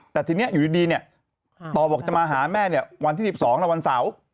แต่ทีนี้อยู่ดีเนี่ยต่อบอกจะมาหาแม่เนี่ยวันที่๑๒แล้ววันเสาร์